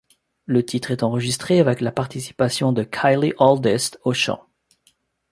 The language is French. Le titre est enregistré avec la participation de Kylie Auldist au chant.